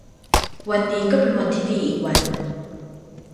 วันนี้ก็เป็นวันที่ดีอีกวัน